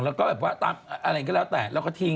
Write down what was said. แล้วก็ตามอะไรก็แล้วแต่เราก็ทิ้ง